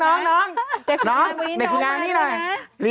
น้องเด็กผู้งานมานี่หน่อยละนะ